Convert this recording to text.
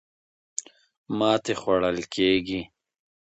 ماتې خوړل کېږي.